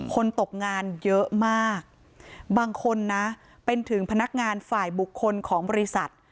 คนตกงานเยอะมากบางคนนะเป็นถึงพนักงานฝ่ายบุคคลของบริษัท